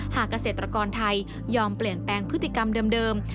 หากเกษตรกรไทยยอมเปลี่ยนแปลงพฤติกรรมเดิม